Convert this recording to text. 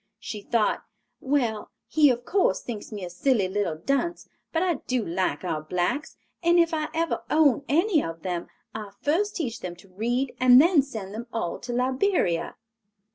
She thought, "Well, he of course thinks me a silly little dunce; but I do like our blacks, and if I ever own any of them, I'll first teach them to read and then send them all to Liberia."